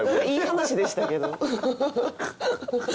いい話でしたけど。